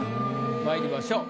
まいりましょう。